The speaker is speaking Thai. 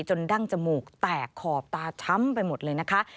ดั้งจมูกแตกขอบตาช้ำไปหมดเลยนะคะ